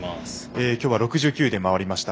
今日は６９で回りました。